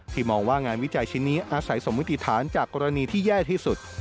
มองว่างานวิจัยชิ้นนี้อาศัยสมมติฐานจากกรณีที่แย่ที่สุด